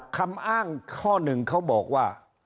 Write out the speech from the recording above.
คำอ้างข้อหนึ่งเขาบอกว่า